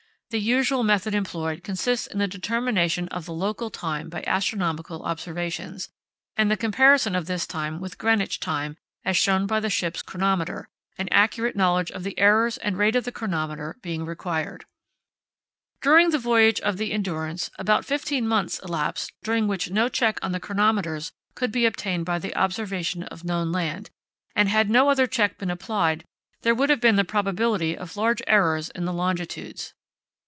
The usual method employed consists in the determination of the local time by astronomical observations, and the comparison of this time with Greenwich time, as shown by the ship's chronometer, an accurate knowledge of the errors and rate of the chronometer being required. During the voyage of the Endurance about fifteen months elapsed during which no check on the chronometers could be obtained by the observation of known land, and had no other check been applied there would have been the probability of large errors in the longitudes.